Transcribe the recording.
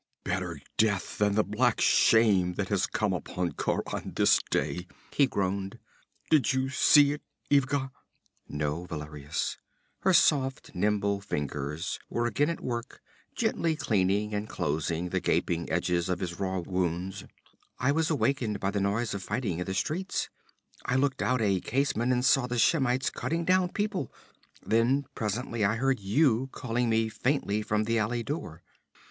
'Better death than the black shame that has come upon Khauran this day,' he groaned. 'Did you see it, Ivga?' 'No, Valerius.' Her soft, nimble fingers were again at work, gently cleansing and closing the gaping edges of his raw wounds. 'I was awakened by the noise of fighting in the streets I looked out a casement and saw the Shemites cutting down people; then presently I heard you calling me faintly from the alley door.'